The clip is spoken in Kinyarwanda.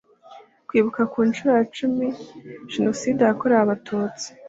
kwibuka ku nshuro ya cumi jenoside yakorewe abatutsi